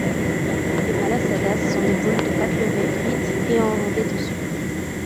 Les malasadas sont des boules de pâte levée frites et enrobées de sucre.